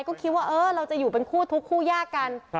ก็คิดว่าเออเราอยู่เป็นทุกคู่ยากกัน